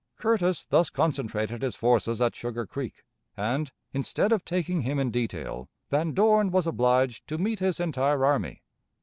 Curtis thus concentrated his forces at Sugar Creek, and, instead of taking him in detail, Van Dorn was obliged to meet his entire army.